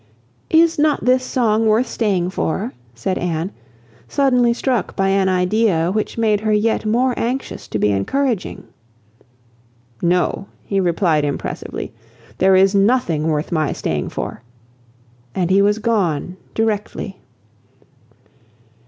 "Is not this song worth staying for?" said Anne, suddenly struck by an idea which made her yet more anxious to be encouraging. "No!" he replied impressively, "there is nothing worth my staying for;" and he was gone directly.